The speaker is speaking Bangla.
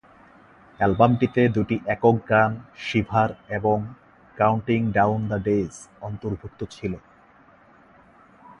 অ্যালবামটিতে দুটি একক গান "শিভার" এবং "কাউন্টিং ডাউন দ্য ডেজ" অন্তর্ভুক্ত ছিল।